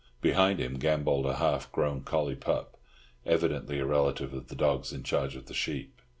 Behind him gambolled a half grown collie pup, evidently a relative of the dogs in charge of the sheep.